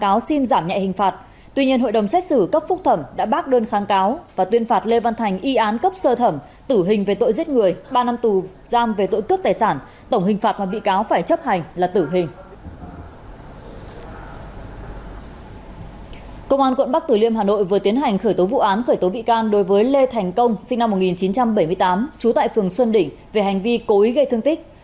cộng an quận bắc tử liêm hà nội vừa tiến hành khởi tố vụ án khởi tố bị can đối với lê thành công sinh năm một nghìn chín trăm bảy mươi tám trú tại phường xuân đỉnh về hành vi cố ý gây thương tích